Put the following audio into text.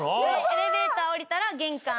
エレベーター降りたら玄関。